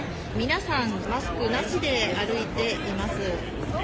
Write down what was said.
皆さん、マスクなしで歩いています。